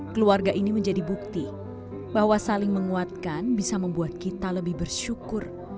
keluarga ini menjadi bukti bahwa saling menguatkan bisa membuat kita lebih bersyukur